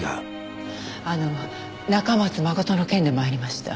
あの中松誠の件で参りました。